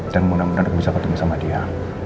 dan mudah mudahan aku bisa ketemu sama dia